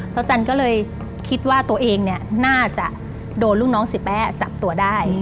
จันก็เลยคิดว่าตัวเองเนี่ยน่าจะโดนลูกน้องเสียแป้จับตัวได้